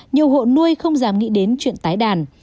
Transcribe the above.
nhiều hộ nuôi không dám nghĩ đến chuyện tái đàn